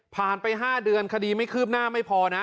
ผ่านไป๕เดือนคดีไม่คืบหน้าไม่พอนะ